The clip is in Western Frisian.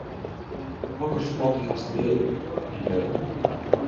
Hokker sport hast leaver en wêrom?